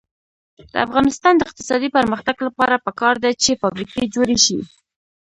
د افغانستان د اقتصادي پرمختګ لپاره پکار ده چې فابریکې جوړې شي.